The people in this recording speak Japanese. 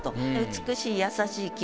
美しい優しい季語。